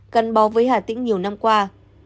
gắn bó với hạ tĩnh nhiều năm qua